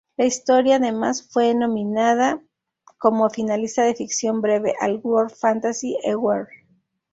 La historia, además, fue nominada como finalista de ficción breve al World Fantasy Award.